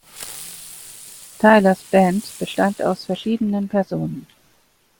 Tylers Band bestand aus verschiedenen Personen.